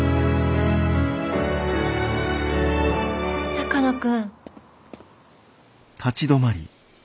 鷹野君。